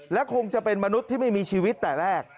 และคงจะเป็นมนุษย์ที่ไม่มีชีวิตแต่แรก